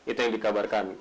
itu yang dikabarkan